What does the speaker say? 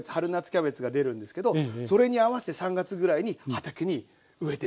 キャベツが出るんですけどそれに合わせて３月ぐらいに畑に植えていくことらしいんですよ。